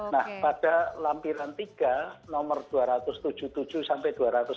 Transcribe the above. nah pada lampiran tiga nomor dua ratus tujuh puluh tujuh sampai dua ratus dua puluh